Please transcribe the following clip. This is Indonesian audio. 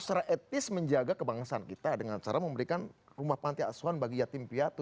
secara etis menjaga kebangsaan kita dengan cara memberikan rumah panti asuhan bagi yatim piatu